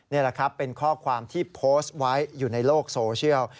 นี่แหละครับเป็นข้อความที่โพสต์ไว้อยู่ในโลกโซเชียล